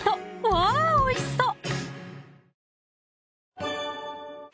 うわおいしそう！